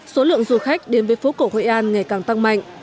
số lượng du khách đến với phố cổ hội an ngày càng tăng mạnh